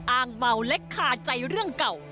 อ้างเมาและคาใจเรื่องเก่า